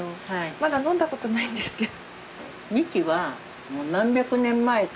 まだ飲んだことないんですけど。